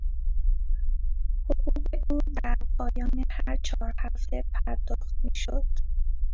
حقوق او در پایان هر چهار هفته پرداخت میشد.